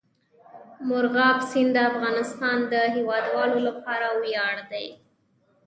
مورغاب سیند د افغانستان د هیوادوالو لپاره ویاړ دی.